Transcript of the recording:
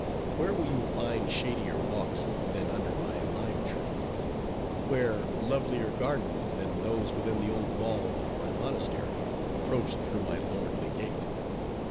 Where will you find shadier walks than under my lime trees? where lovelier gardens than those within the old walls of my monastery, approached through my lordly Gate?